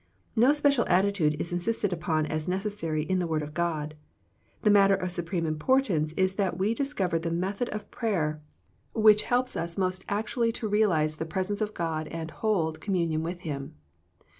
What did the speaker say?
No special attitude is insisted upon as necessary in the Word of God. The matter of supreme importance is that we discover the method of prayer which helps us most actually 112 THE PEACTIOE OF PEATER to realize the presence of God and hold com munion with Him.